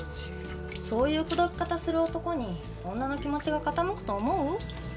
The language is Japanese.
そういう口説き方する男に女の気持ちが傾くと思う？